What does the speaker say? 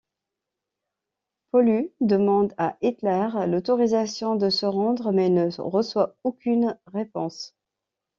Paulus demande à Hitler l'autorisation de se rendre mais ne reçoit aucune réponse.